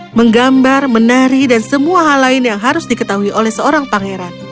guru yang ulung mengajarinya sejarah musik menggambar menari dan semua hal lain yang harus diketahui oleh seorang pangeran